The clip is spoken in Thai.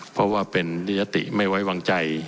เพราะว่าเป็นนิยติไม่ไว้วางใจ